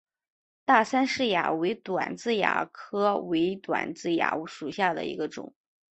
大杉氏蚜为短痣蚜科伪短痣蚜属下的一个种。